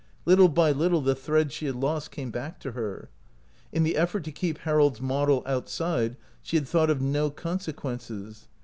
Little by little the thread she had lost came back to her. In the effort to keep Harold's model outside she had thought of no conse quences.